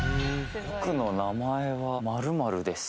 「僕の名前は○○です」